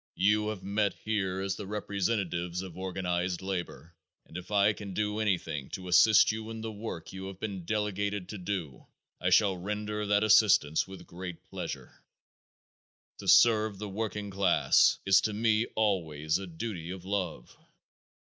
You have met here as the representatives of organized labor and if I can do anything to assist you in the work you have been delegated to do I shall render that assistance with great pleasure. To serve the working class is to me always a duty of love.